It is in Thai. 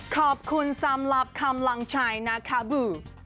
ขอบคุณสำหรับกำลังใจนะค่ะบู